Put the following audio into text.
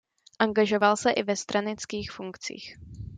Angažoval se i ve stranických funkcích.